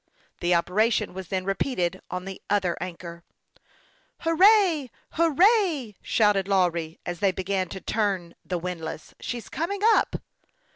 The operation was then repeated on the other anchor. " Hurrah ! hurrah !" shouted Lawry, as they be gan to turn the windlass. " She's coming up."